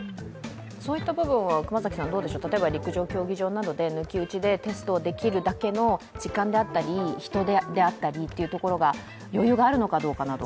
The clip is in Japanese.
そういった部分は例えば陸上競技場などで抜き打ちでテストを出るだけの時間であったり人であったりというところが、余裕があるのかどうかなど。